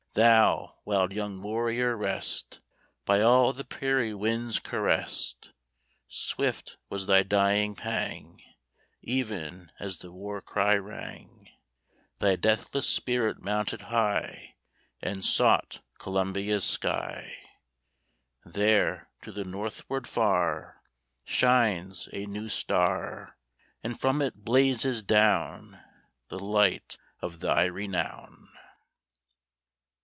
Thou, wild young warrior, rest, By all the prairie winds caressed! Swift was thy dying pang; Even as the war cry rang Thy deathless spirit mounted high And sought Columbia's sky: There, to the northward far, Shines a new star, And from it blazes down The light of thy renown!